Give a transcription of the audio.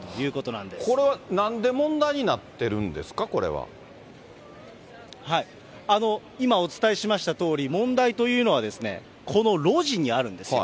これはなんで問題になってる今、お伝えしましたとおり、問題というのはですね、この路地にあるんですよ。